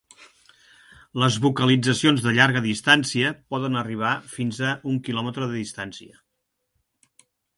Les vocalitzacions de llarga distància poden arribar fins a un quilòmetre de distància.